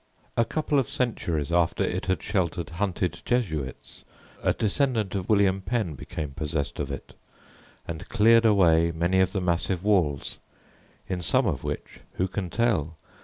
A couple of centuries after it had sheltered hunted Jesuits, a descendant of William Penn became possessed of it, and cleared away many of the massive walls, in some of which who can tell?